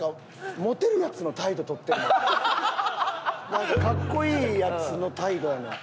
なんかかっこいいヤツの態度やねん。